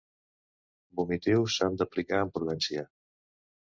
Vomitius s'han d'aplicar amb prudència.